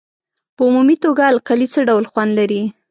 په عمومي توګه القلي څه ډول خوند لري؟